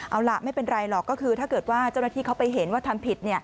เอาล่ะไม่เป็นไรหรอกก็คือถ้าเกิดว่าเจ้าหน้าที่เขาไปเห็นว่าทำผิด